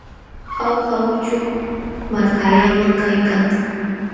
Jauja uchuk malkallam kaykan.